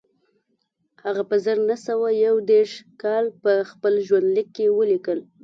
هغه په زر نه سوه یو دېرش کال په خپل ژوندلیک کې ولیکل